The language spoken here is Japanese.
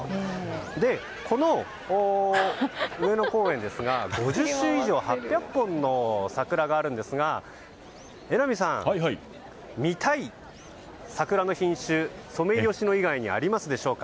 で、この上野公園ですが５０種類以上、８００本の桜があるんですが榎並さん、見たい桜の品種ソメイヨシノ以外にありますでしょうか？